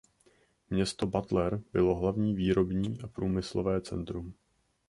Město Butler bylo hlavní výrobní a průmyslové centrum.